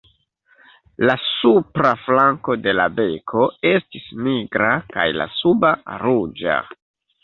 La supra flanko de la beko estis nigra, kaj la suba ruĝa.